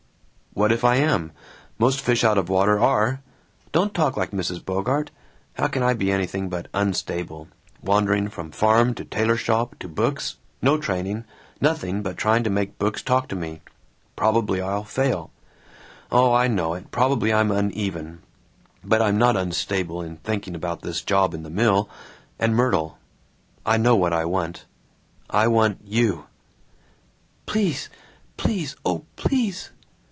"What if I am? Most fish out of water are! Don't talk like Mrs. Bogart! How can I be anything but 'unstable' wandering from farm to tailor shop to books, no training, nothing but trying to make books talk to me! Probably I'll fail. Oh, I know it; probably I'm uneven. But I'm not unstable in thinking about this job in the mill and Myrtle. I know what I want. I want you!" "Please, please, oh, please!"